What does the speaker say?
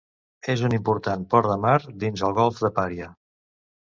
És un important port de mar dins el Golf de Paria.